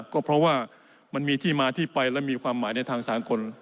ก็เพราะว่ามันมีที่มาที่ไปและมีความหมายในทางสากล